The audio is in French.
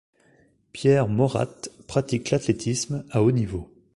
Pierre Morath pratique l'athlétisme à haut niveau.